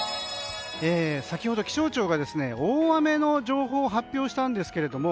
先ほど気象庁が大雨の情報を発表したんですが。